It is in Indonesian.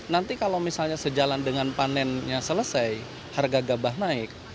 nanti kalau misalnya sejalan dengan panennya selesai harga gabah naik